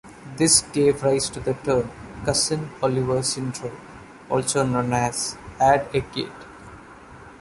This gave rise to the term "Cousin Oliver Syndrome", also known as "add-a-kid".